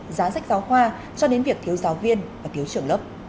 giá sách giáo khoa cho đến việc thiếu giáo viên và thiếu trưởng lớp